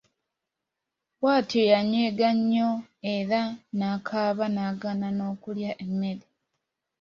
Bw'atyo yanyiiga nnyo era nakaaba nagana n'okulya emmere.